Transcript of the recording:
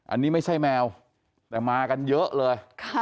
อันนี้ไม่ใช่แมวแต่มากันเยอะเลย